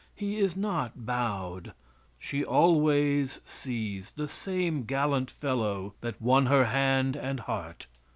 He is not bowed. She always sees the same gallant fellow that won her hand and heart.